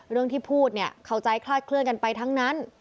เรื่องที่พูดเนี่ยเข้าใจคลาดเคลื่อนกันไปทั้งนั้น